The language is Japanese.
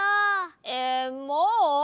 えもう？